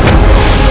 jangan ganggu dia